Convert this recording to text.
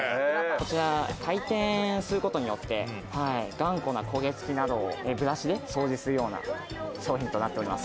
回転することによって、頑固な焦げ付きなどをブラシで掃除するような商品となっております。